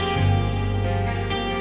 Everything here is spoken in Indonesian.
selesai ya ya